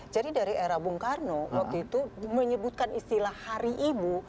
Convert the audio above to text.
jadi dari era bung karno waktu itu menyebutkan istilah hari ibu